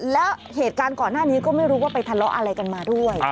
แล้วเหตุการณ์ก่อนหน้านี้ก็ไม่รู้ว่าไปทะเลาะอะไรกันมาด้วย